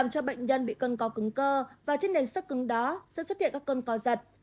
cho bệnh nhân bị cân có cứng cơ và trên nền sắc cứng đó sẽ xuất hiện các cơn co giật